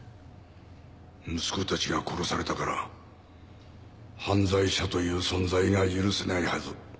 息子たちが殺されたから犯罪者という存在が許せないはず。